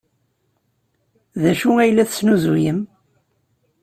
D acu ay la tesnuzuyem?